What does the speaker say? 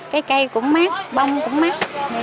cái cây cũng mắc bông cũng mắc